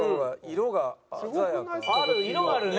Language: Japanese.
色があるね。